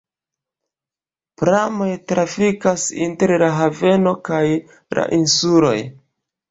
Pramoj trafikas inter la haveno kaj la insuloj.